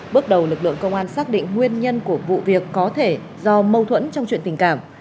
bước đầu lực lượng công an xác định nguyên nhân của vụ việc có thể do mâu thuẫn trong chuyện tình cảm